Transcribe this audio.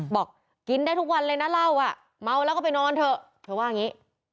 บอกกินได้ทุกวันเลยนะเหล้าอ่ะเมาแล้วก็ไปนอนเถอะเธอว่าอย่างนี้